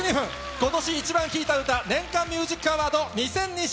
今年イチバン聴いた歌年間ミュージックアワード２０２２。